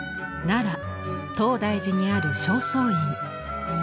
奈良東大寺にある正倉院。